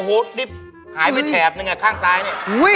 อู๋นี่หายไปแถบหนึ่งคร่างซ้ายเนี่ย